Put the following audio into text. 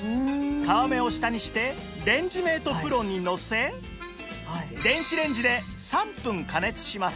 皮目を下にしてレンジメート ＰＲＯ にのせ電子レンジで３分加熱します